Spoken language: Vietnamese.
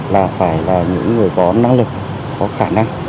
là phải là những người có năng lực có khả năng